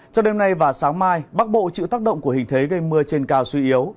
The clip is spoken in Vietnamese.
cho đêm nay và sáng mai bắc bộ chịu tác động của hình thế gây mưa trên cao suy yếu